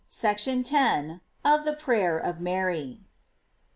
SECTION X. OP THE PRAYER OP MARY.